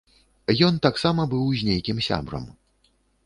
Ён таксама быў з нейкім сябрам.